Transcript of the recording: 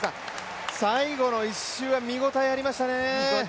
最後の１周は見応えありましたね。